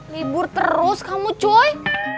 libur terus kamu cuy